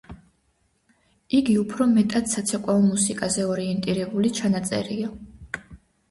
იგი უფრო მეტად საცეკვაო მუსიკაზე ორიენტირებული ჩანაწერია.